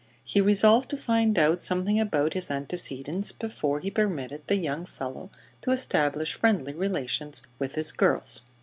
He resolved to find out something about his antecedents before he permitted the young fellow to establish friendly relations with his girls.